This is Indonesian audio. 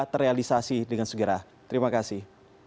terrealisasi dengan segera terima kasih